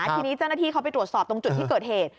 ทีนี้เจ้าหน้าที่เขาไปตรวจสอบตรงจุดที่เกิดเหตุ